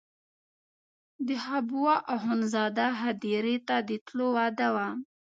د حبوا اخندزاده هدیرې ته د تلو وعده وه.